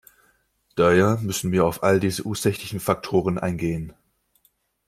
Daher müssen wir auf all diese ursächlichen Faktoren eingehen.